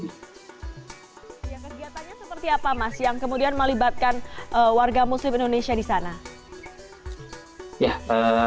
kegiatannya seperti apa mas yang kemudian melibatkan warga muslim indonesia di sana